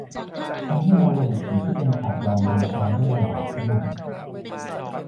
ทำให้เราระบุสิ่งที่เป็นข่าวปลอมโดยแท้ได้ลำบากขึ้น